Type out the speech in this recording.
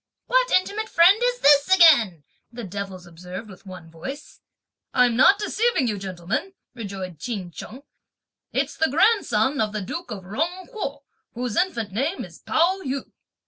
"What intimate friend is this again?" the devils observed with one voice. "I'm not deceiving you, gentlemen," rejoined Ch'in Chung; "it's the grandson of the duke of Jung Kuo, whose infant name is Pao yü."